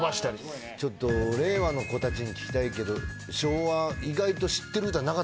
ちょっと令和の子たちに聞きたいけど昭和意外と知ってる歌なかったですか？